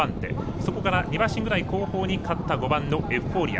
そこから２馬身ぐらい後方に勝った５番エフフォーリア。